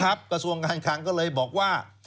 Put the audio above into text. ครับกระทรวงงานคังก็เลยบอกว่า